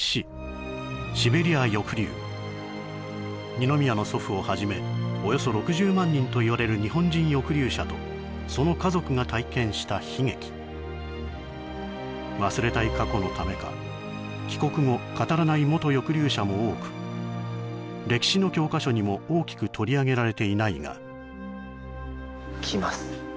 二宮の祖父をはじめおよそ６０万人といわれる日本人抑留者とその家族が体験した悲劇忘れたい過去のためか帰国後語らない元抑留者も多く歴史の教科書にも大きく取り上げられていないがきます